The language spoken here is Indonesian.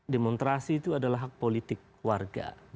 demonstrasi itu adalah hak politik warga